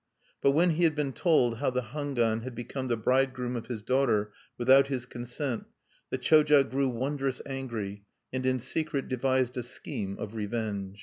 But when he had been told how the Hangwan had become the bridegroom of his daughter without his consent, the Choja grew wondrous angry, and in secret devised a scheme of revenge.